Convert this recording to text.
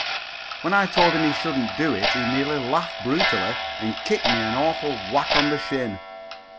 When I told him he shouldn't do it he merely laughed brutally and kicked me an awful whack on the shin.